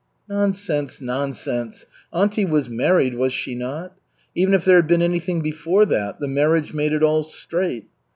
'" "Nonsense, nonsense. Auntie was married, was she not? Even if there had been anything before that, the marriage made it all straight."